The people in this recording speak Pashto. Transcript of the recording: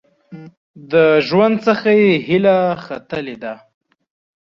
د ژوند څخه یې هیله ختلې ده .